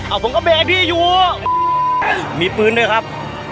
เอาผมก็เบรกให้พี่อยู่มีปืนด้วยครับ